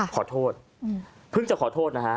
ขอโทษเพิ่งจะขอโทษนะฮะ